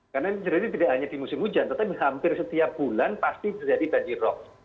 karena ini tidak hanya di musim hujan tetapi hampir setiap bulan pasti terjadi banjir rop